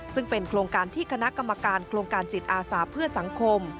ซึ่งเป็นโครงการที่คณะกรรมการโครงการจิตอาสาเพื่อสังคม